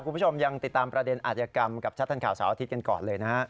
คุณผู้ชมยังติดตามประเด็นอาจยกรรมกับชัดทันข่าวเสาร์อาทิตย์กันก่อนเลยนะฮะ